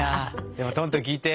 でもトントゥ聞いて。